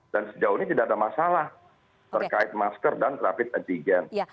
sejauh ini tidak ada masalah terkait masker dan rapid antigen